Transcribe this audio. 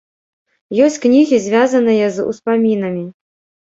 Ёсць кнігі, звязаныя з успамінамі.